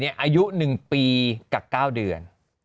อายุ๑ปีกับ๙เดือน